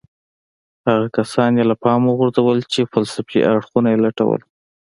هغه کسان يې له پامه وغورځول چې فلسفي اړخونه يې لټول.